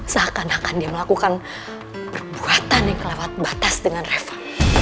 seakan akan dia melakukan perbuatan yang lewat batas dengan reva